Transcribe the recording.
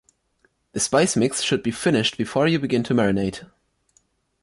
The spice mix should be finished before you begin to marinate.